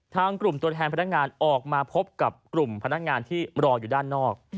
ทางกลุ่มตัวแทนพนักงานออกมาพบกับกลุ่มพนักงานที่รออยู่ด้านนอก